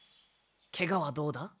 ケガはどうだ？